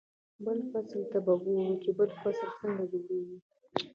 بل فصل ته به ګوري چې بل فصل څنګه جوړېږي.